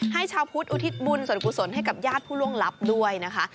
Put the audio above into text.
ชาวพุทธอุทิศบุญส่วนกุศลให้กับญาติผู้ล่วงลับด้วยนะคะ